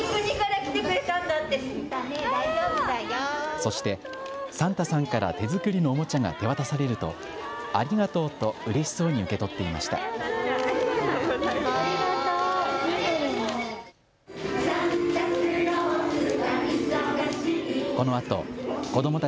そしてサンタさんから手作りのおもちゃが手渡されるとありがとうとうれしそうに受け取っていました。